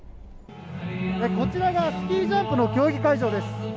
こちらがスキージャンプの競技会場です。